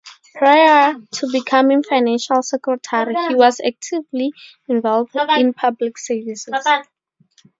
Prior to becoming Financial Secretary, he was actively involved in public services.